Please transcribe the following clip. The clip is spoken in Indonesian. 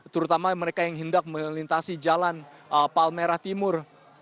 terutama mereka yang hendak melintasi jalan palmerah timur